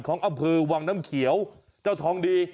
อำเภอวังน้ำเขียวเจ้าทองดี